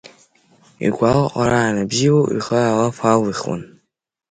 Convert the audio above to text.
Игәалаҟара аныбзиоу, ихы алаф алихуан.